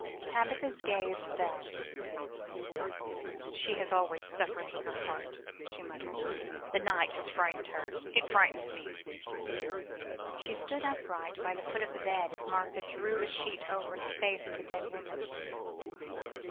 Tabitha's gaze fell. "She has always suffered with her heart," she muttered; "the night has frightened her; it frightened me." She stood upright by the foot of the bed as Martha drew the sheet over the face of the dead woman.